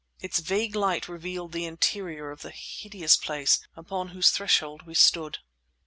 Its vague light revealed the interior of the hideous place upon whose threshold we stood.